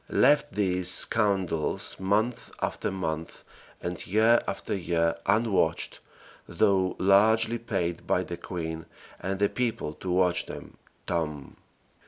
left these scoundrels month after month and year after year unwatched, though largely paid by the queen and the people to watch them ("TOMB!").